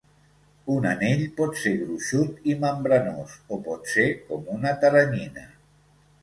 Un anell pot ser gruixut i membranós o pot ser com una teranyina.